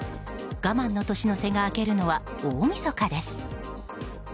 我慢の年の瀬が明けるのは大みそかです。